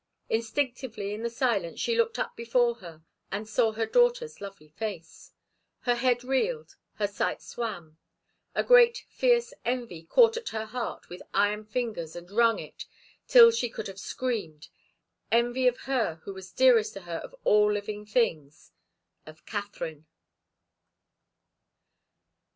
Instinctively in the silence she looked up before her and saw her daughter's lovely face. Her head reeled, her sight swam. A great, fierce envy caught at her heart with iron fingers and wrung it, till she could have screamed, envy of her who was dearest to her of all living things of Katharine.